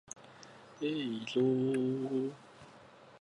営業